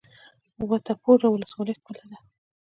وټه پور ولسوالۍ ښکلې ده؟